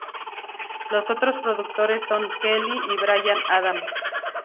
Los otros productores son R. Kelly y Bryan Adams.